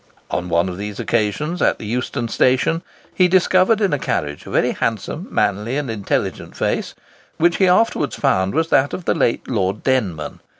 On one of these occasions, at the Euston Station, he discovered in a carriage a very handsome, manly, and intelligent face, which he afterwards found was that of the late Lord Denman.